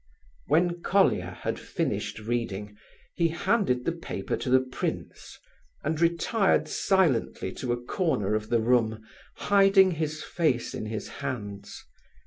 When Colia had finished reading, he handed the paper to the prince, and retired silently to a corner of the room, hiding his face in his hands.